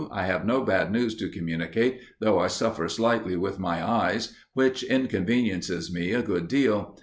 I have no bad news to communicate, though I suffer slightly with my eyes, which inconveniences me a good deal.